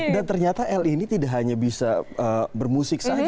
dan ternyata el ini tidak hanya bisa bermusik saja